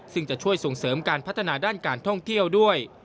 ซึ่งจะช่วยส่งเสริมการพัฒนาด้านการท่องเที่ยวด้วย